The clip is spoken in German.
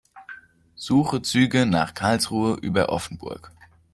Suche Züge nach Karlsruhe über Offenburg.